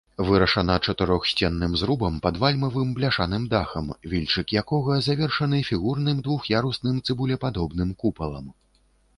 Вырашана чатырохсценным зрубам пад вальмавым бляшаным дахам, вільчык якога завершаны фігурным двух'ярусным цыбулепадобным купалам.